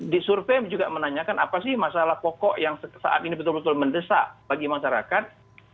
di survei juga menanyakan apa sih masalah pokok yang saat ini betul betul mendesak bagi masyarakat